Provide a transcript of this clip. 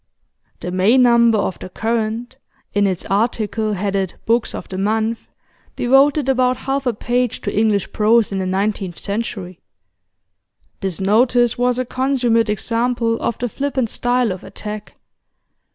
The May number of The Current, in its article headed 'Books of the Month,' devoted about half a page to 'English Prose in the Nineteenth Century.' This notice was a consummate example of the flippant style of attack.